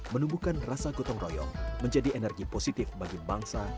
menumbuhkan rasa gotong royong menjadi energi positif bagi bangsa